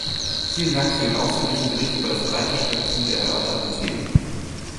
Vielen Dank für den ausführlichen Bericht über das breite Spektrum der erörterten Themen.